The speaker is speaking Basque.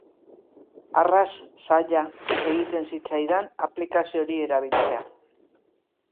Arras zaila egiten zitzaidan aplikazio hori erabiltzea.